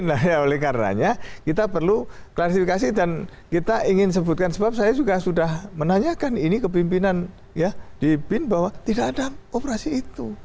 nah oleh karenanya kita perlu klarifikasi dan kita ingin sebutkan sebab saya juga sudah menanyakan ini kepimpinan ya di bin bahwa tidak ada operasi itu